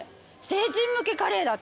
成人向けカレーだって。